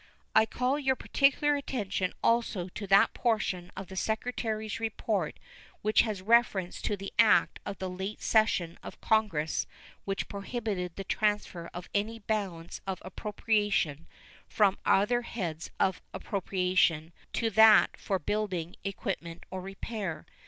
I call your particular attention also to that portion of the Secretary's report which has reference to the act of the late session of Congress which prohibited the transfer of any balance of appropriation from other heads of appropriation to that for building, equipment, and repair.